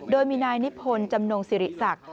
โดยมีนายนิภน์จำนงศรีษักดิ์